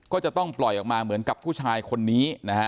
ก็จะต้องปล่อยออกมาเหมือนกับผู้ชายคนนี้นะฮะ